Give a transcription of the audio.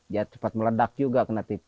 ya cepat meledak juga kena